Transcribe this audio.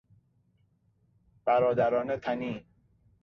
برادران تنی